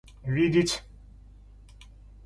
видеть